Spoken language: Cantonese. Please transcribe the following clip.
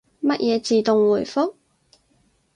乜嘢自動回覆？